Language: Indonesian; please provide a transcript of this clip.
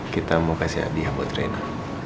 kita mau kasih hadiah buat reno